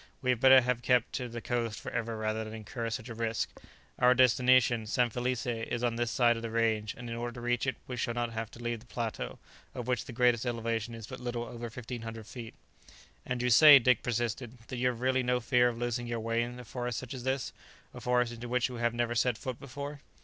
We had better have kept to the coast for ever rather than incur such a risk. Our destination, San Felice, is on this side of the range, and in order to reach it, we shall not have to leave the plateau, of which the greatest elevation is but little over 1500 feet." "And you say," Dick persisted, "that you have really no fear of losing your way in a forest such as this, a forest into which you have never set foot before?"